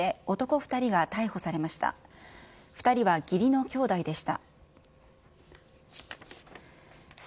２人は義理の兄弟でした。